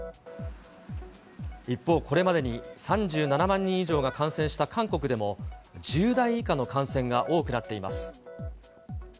一方、これまでに３７万人以上が感染した韓国でも、１０代以下の感染が多くなっています。